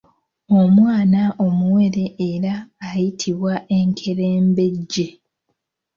Omwana omuwere era ayitibwa enkerembejje.